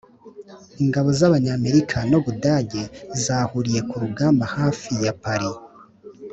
ingabo z’abanyamerika n’ubudage zahuriye ku rugamba hafi ya paris